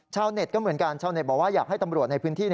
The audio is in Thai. เน็ตก็เหมือนกันชาวเน็ตบอกว่าอยากให้ตำรวจในพื้นที่